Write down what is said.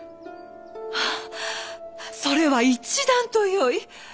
それは一段とよい！